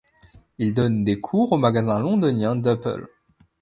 Il donne des cours au magasin londonien d'Appel.